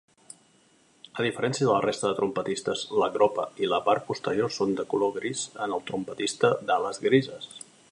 A diferència de la resta de trompetistes, la gropa i la part posterior són de color gris en el trompetista d'ales grises.